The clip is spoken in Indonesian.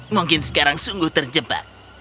mungkin sekarang sungguh terjebak